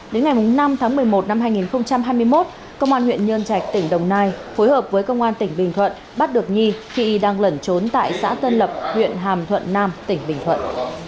đến ngày năm tháng một mươi một năm hai nghìn hai mươi một công an huyện nhân trạch tỉnh đồng nai phối hợp với công an tỉnh bình thuận bắt được nhi khi đang lẩn trốn tại xã tân lập huyện hàm thuận nam tỉnh bình thuận